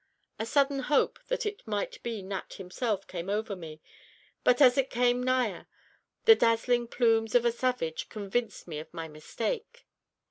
A sudden hope that it might be Nat himself came over me, but as it came nigher, the dazzling plumes of a savage convinced me of my mistake.